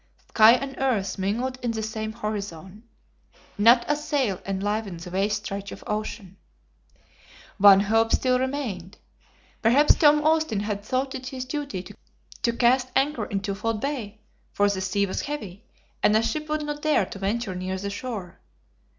Sky and earth mingled in the same horizon. Not a sail enlivened the vast stretch of ocean. One hope still remained. Perhaps Tom Austin had thought it his duty to cast anchor in Twofold Bay, for the sea was heavy, and a ship would not dare to venture near the shore.